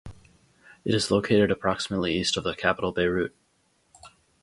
It is located approximately east of the capital Beirut.